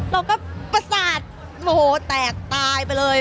เราก็ประสาทโมโหแตกตายไปเลย